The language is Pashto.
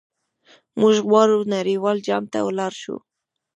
موږ غواړو نړیوال جام ته لاړ شو.